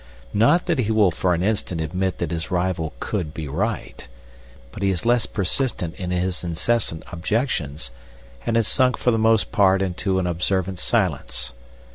Not that he will for an instant admit that his rival could be right, but he is less persistent in his incessant objections, and has sunk for the most part into an observant silence.